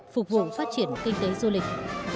phục vụ phát triển kinh tế du lịch